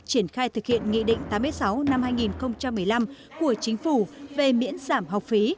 triển khai thực hiện nghị định tám mươi sáu năm hai nghìn một mươi năm của chính phủ về miễn giảm học phí